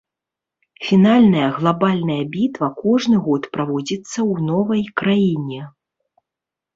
Фінальная глабальная бітва кожны год праводзіцца ў новай краіне.